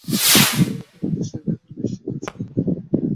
মাঝে মাঝে ভক্তের সেই ব্যাকুল দৃষ্টিক্ষেপ সার্থকও হইত।